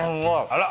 あら！